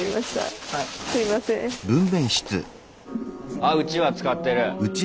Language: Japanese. あうちわ使ってる。